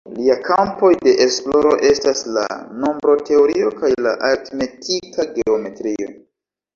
Lia kampoj de esploro estas la nombroteorio kaj la aritmetika geometrio.